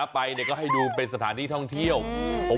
นะไปเนี่ยก็ให้ดูเป็นสถานที่ท่องเที่ยวอืม